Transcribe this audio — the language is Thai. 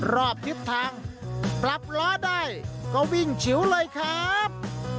รอบทิศทางปรับล้อได้ก็วิ่งชิวเลยครับ